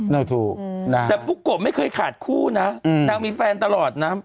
น่าถูกนะแต่ปุ๊กโกะไม่เคยขาดคู่นะนางมีแฟนตลอดนะ